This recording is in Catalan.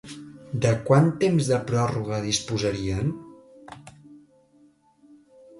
De quant temps de pròrroga disposarien?